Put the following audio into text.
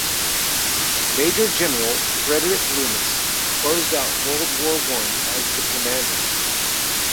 Major-General Frederick Loomis closed out World War One as the commander.